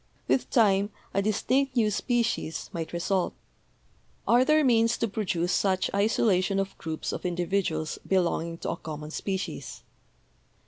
With time a distinct new species 234 BIOLOGY might result. Are there means to produce such isolation of groups of individuals belonging to a common species